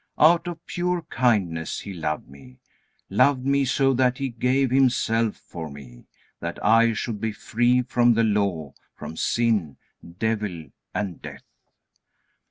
Out of pure kindness He loved me, loved me so that He gave Himself for me, that I should be free from the Law, from sin, devil, and death."